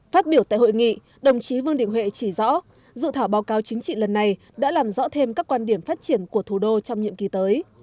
phát biểu tại hội nghị đồng chí vương đình huệ chỉ rõ dự thảo báo cáo chính trị lần này đã làm rõ thêm các quan điểm phát triển của thủ đô trong nhiệm kỳ tới